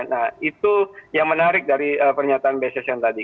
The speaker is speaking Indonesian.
nah itu yang menarik dari pernyataan bss yang tadi